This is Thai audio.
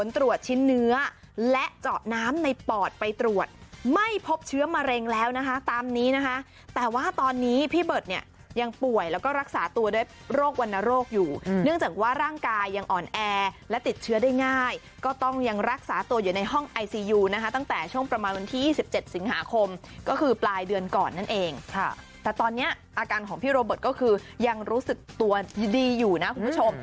ตรวจชิ้นเนื้อและเจาะน้ำในปอดไปตรวจไม่พบเชื้อมะเร็งแล้วนะคะตามนี้นะคะแต่ว่าตอนนี้พี่เบิร์ตเนี่ยยังป่วยแล้วก็รักษาตัวด้วยโรควรรณโรคอยู่เนื่องจากว่าร่างกายยังอ่อนแอและติดเชื้อได้ง่ายก็ต้องยังรักษาตัวอยู่ในห้องไอซียูนะคะตั้งแต่ช่วงประมาณวันที่๒๗สิงหาคมก็คือปลายเดือนก่อนนั่นเองค่ะแต่ตอนนี้อาการของพี่โรเบิร์ตก็คือยังรู้สึกตัวดีอยู่นะคุณผู้ชม